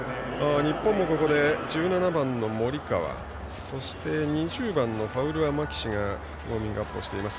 日本もここで１７番の森川そして２０番のファウルア・マキシがウォーミングアップしています。